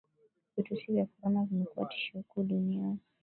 Virusi vya korona vimekuwa tishio kuu duniani